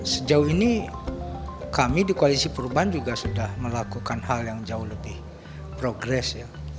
sejauh ini kami di koalisi perubahan juga sudah melakukan hal yang jauh lebih progres